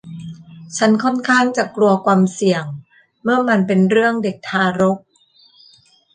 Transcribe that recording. ฉันค่อนข้างจะกลัวความเสี่ยงเมื่อมันเป็นเรื่องเด็กทารก